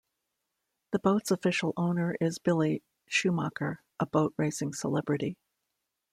The boat's official owner is Billy Schumacher, a boat racing celebrity.